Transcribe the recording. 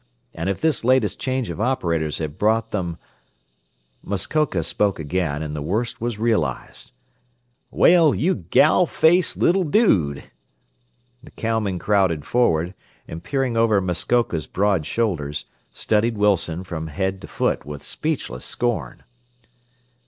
And if this latest change of operators had brought them Muskoka spoke again, and the worst was realized. "Well, you gal faced little dude!" The cowmen crowded forward, and peering over Muskoka's board shoulders, studied Wilson from head to foot with speechless scorn.